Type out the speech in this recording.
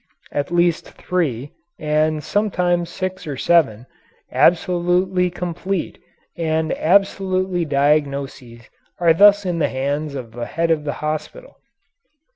At least three, and sometimes six or seven, absolutely complete and absolutely independent diagnoses are thus in the hands of the head of the hospital.